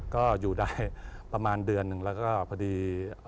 ก็อยู่ได้ประมาณเดือนหนึ่งแล้วก็พอดี